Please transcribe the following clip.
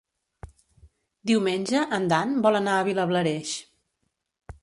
Diumenge en Dan vol anar a Vilablareix.